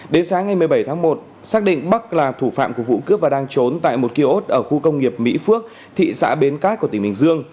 đến sáng ngày một mươi bảy tháng một xác định bắc là thủ phạm của vụ cướp và đang trốn tại một kiosk ở khu công nghiệp mỹ phước thị xã bến cát của tỉnh bình dương